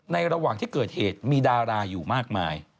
ระหว่างที่เกิดเหตุมีดาราอยู่มากมาย